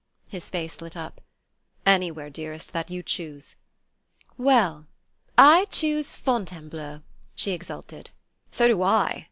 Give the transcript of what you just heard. His face lit up. "Anywhere, dearest, that you choose." "Well I choose Fontainebleau!" she exulted. "So do I!